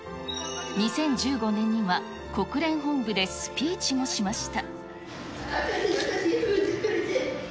２０１５年には、国連本部でスピーチもしました。